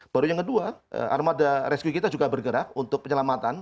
baru yang kedua armada rescue kita juga bergerak untuk penyelamatan